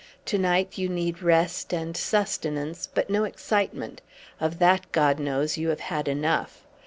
To night you need rest and sustenance, but no excitement; of that God knows you have had enough!